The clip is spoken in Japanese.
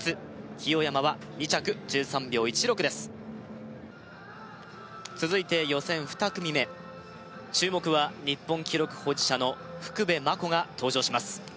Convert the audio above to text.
清山は２着１３秒１６です続いて予選２組目注目は日本記録保持者の福部真子が登場します